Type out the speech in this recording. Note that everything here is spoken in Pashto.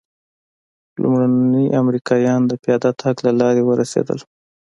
لومړني امریکایان د پیاده تګ له لارې ورسېدل.